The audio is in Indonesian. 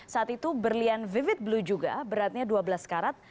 saat itu berlian vivit blue juga beratnya dua belas karat